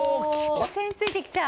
温泉ついてきちゃう。